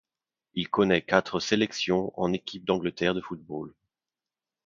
Il connaît quatre sélections en Équipe d'Angleterre de football.